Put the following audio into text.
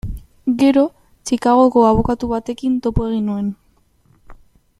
Gero, Chicagoko abokatu batekin topo egin nuen.